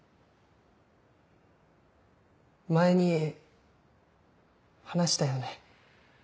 前に話したよね。